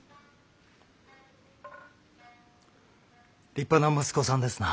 立派な息子さんですな。